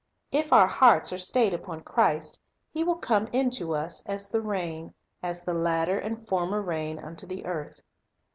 If our hearts are stayed upon Christ, He will come unto us "as the rain, as the latter and former rain unto the earth."